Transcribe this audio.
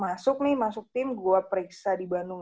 masuk nih masuk tim gue periksa di bandung